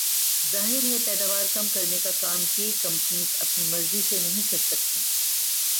ظاہر ہے پیداوار کم کرنے کا کام یہ کمپنیز اپنی مرضی سے نہیں کر سکتیں